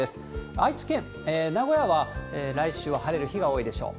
愛知県名古屋は、来週は晴れる日が多いでしょう。